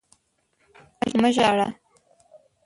مه ژاړه!